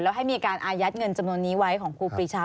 แล้วให้มีการอายัดเงินจำนวนนี้ไว้ของครูปรีชา